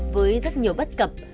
với rất nhiều bất cập